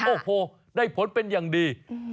โอ้โหได้ผลเป็นอย่างดี